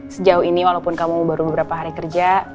sejauh ini walaupun kamu baru beberapa hari kerja